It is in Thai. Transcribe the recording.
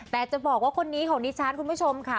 แต่จะบอกว่าคนนี้ของดิฉันคุณผู้ชมค่ะ